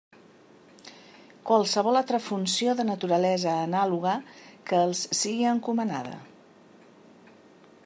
Qualsevol altra funció de naturalesa anàloga que els sigui encomanada.